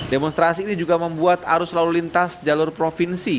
demonstrasi ini juga membuat arus lalu lintas jalur provinsi